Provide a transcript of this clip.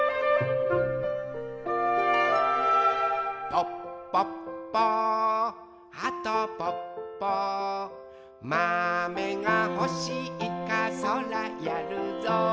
「ぽっぽっぽはとぽっぽ」「まめがほしいかそらやるぞ」